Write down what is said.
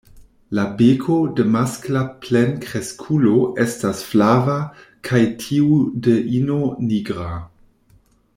La beko de maskla plenkreskulo estas flava kaj tiu de ino nigra.